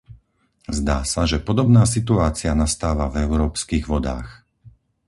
Zdá sa, že podobná situácia nastáva v európskych vodách.